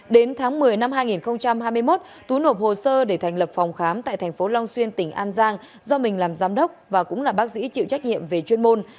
đến tháng một mươi năm hai nghìn hai mươi một tú nộp hồ sơ để thành lập phòng khám tại thành phố long xuyên tỉnh an giang do mình làm giám đốc và cũng là bác sĩ chịu trách nhiệm về chuyên môn